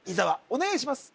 お願いします